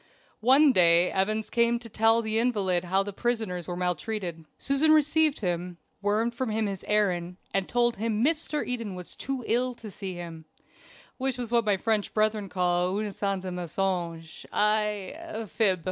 One day Evans came to tell the invalid how the prisoners were maltreated. Susan received him, wormed from him his errand, and told him Mr. Eden was too ill to see him, which was what my French brethren call une sainte mensonge I a fib.